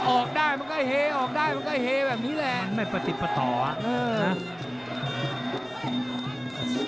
ออกได้มันก็เฮออกได้มันก็เฮแบบนี้แหละมันไม่ปฏิบัติต่อ